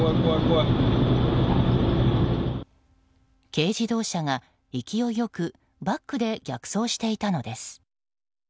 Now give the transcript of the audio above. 軽自動車が勢いよくバックで逆走していたのです。